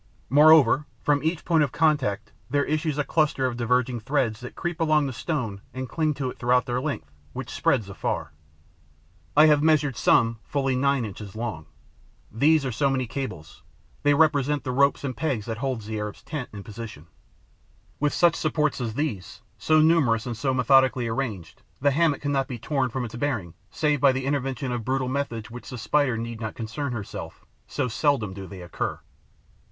Moreover, from each point of contact, there issues a cluster of diverging threads that creep along the stone and cling to it throughout their length, which spreads afar. I have measured some fully nine inches long. These are so many cables; they represent the ropes and pegs that hold the Arab's tent in position. With such supports as these, so numerous and so methodically arranged, the hammock cannot be torn from its bearings save by the intervention of brutal methods with which the Spider need not concern herself, so seldom do they occur.